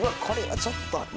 これはちょっと。